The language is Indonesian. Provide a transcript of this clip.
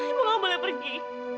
ibu nggak boleh pergi